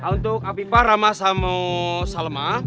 untuk apipa rama sama salma